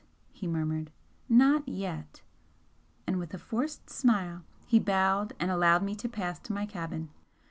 he murmured "Not yet!" and with a forced smile, he bowed and allowed me to pass to my cabin.